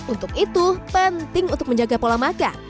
untuk itu penting untuk menjaga pola makan